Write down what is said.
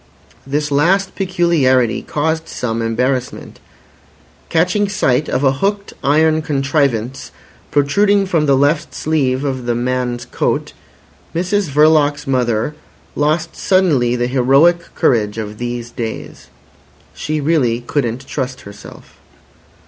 This last peculiarity caused some embarrassment. Catching sight of a hooked iron contrivance protruding from the left sleeve of the man's coat, Mrs Verloc's mother lost suddenly the heroic courage of these days. She really couldn't trust herself.